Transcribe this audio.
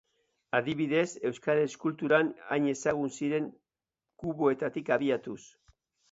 Adibidez, euskal eskulturan hain ezagun ziren kuboetatik abiatuz.